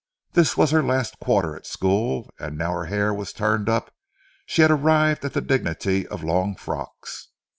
This was her last quarter at school, and now her hair was turned up and she had arrived at the dignity of long frocks.